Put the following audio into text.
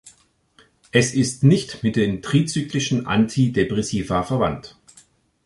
Es ist nicht mit den trizyklischen Antidepressiva verwandt.